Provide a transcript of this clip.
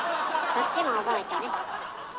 そっちも覚えてね。